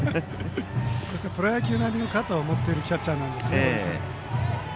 プロ野球並みの肩を持っているキャッチャーなんですね。